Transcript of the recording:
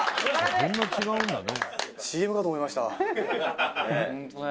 こんな違うんだね。